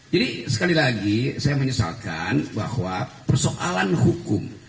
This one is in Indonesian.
jadi sekali lagi saya menyesalkan bahwa persoalan hukum